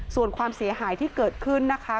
ส่วนความเสียหายที่เกิดขึ้นนะคะ